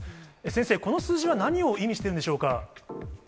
先生、この数字は何を意味してるんでしょうか。